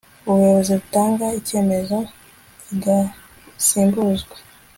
ubuyobozi butanga icyemezo kidasimbuzwa